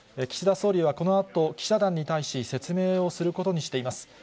岸田総理はこのあと、記者団に対し、説明をすることにしています。